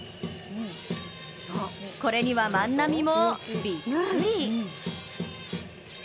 これには万波もびっくり。